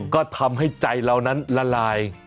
ก็ทำให้ใจเรานั้นละลาย